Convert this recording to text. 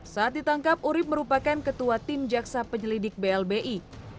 saat ditangkap urib merupakan ketua tim jaksa penyelidik blbi